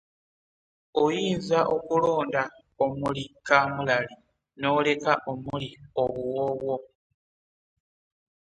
Oyinza okulonda omuli kamulali n'oleka omuli obuwoowo.